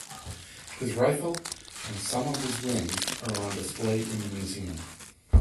His rifle and some of his winnings are on display in the museum.